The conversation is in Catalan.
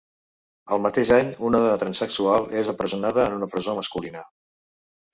El mateix any, una dona transsexual és empresonada en una presó masculina.